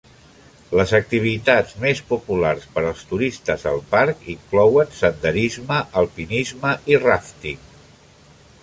Les activitats més populars per als turistes al parc inclouen senderisme, alpinisme i ràfting.